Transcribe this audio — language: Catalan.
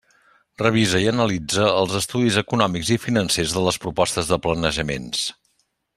Revisa i analitza els estudis econòmics i financers de les propostes de planejaments.